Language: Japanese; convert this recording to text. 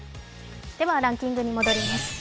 ランキングに戻ります。